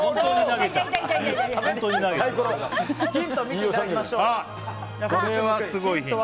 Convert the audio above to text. ヒントを見ていただきましょう。